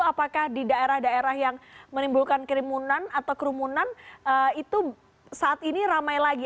apakah di daerah daerah yang menimbulkan kerimunan atau kerumunan itu saat ini ramai lagi